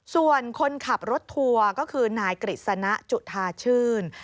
ส่วนคนขับรถทัวร์ก็คือนายกฤษณะจุธาชื่น